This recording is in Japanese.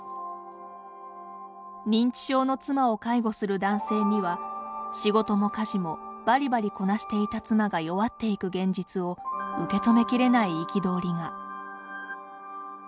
認知症の妻を介護する男性には仕事も家事もバリバリこなしていた妻が弱っていく現実を受け止めきれない憤りが。